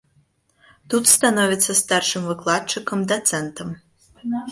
Тут становіцца старшым выкладчыкам, дацэнтам.